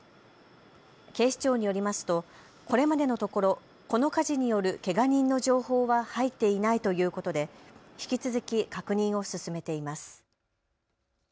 警視庁によりますとこれまでのところ、この火事によるけが人の情報は入っていないということで引き続き確認を進めています。